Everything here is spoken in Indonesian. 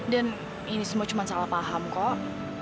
dan ini cuma salah paham kok